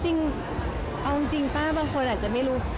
จริงเอาจริงป้าบางคนอาจจะไม่รู้